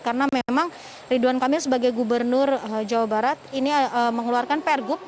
karena memang ridwan kamil sebagai gubernur jawa barat ini mengeluarkan pergumunan